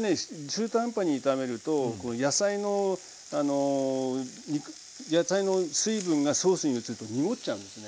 中途半端に炒めるとこの野菜の野菜の水分がソースに移ると濁っちゃうんですね。